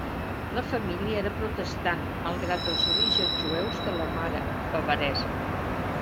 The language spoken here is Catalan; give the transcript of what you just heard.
La família era protestant, malgrat els orígens jueus de la mare, bavaresa.